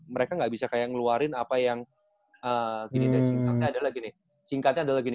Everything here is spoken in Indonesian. mereka gak bisa kayak ngeluarin apa yang gini dan singkatnya adalah gini